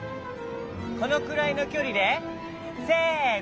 このくらいのきょりでせの！